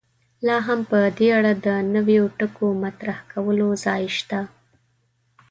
لا هم په دې اړه د نویو ټکو مطرح کولو ځای شته.